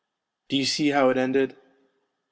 Do you see how it ended ?